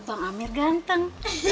bang amir ganteng